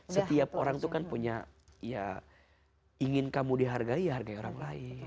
setiap orang itu kan punya ya ingin kamu dihargai ya hargai orang lain